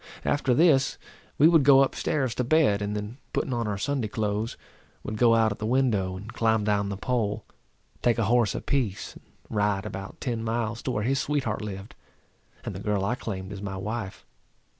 After this we would go up stairs to bed, and then putting on our Sunday clothes, would go out at the window, and climb down the pole, take a horse apiece, and ride about ten miles to where his sweetheart lived, and the girl I claimed as my wife.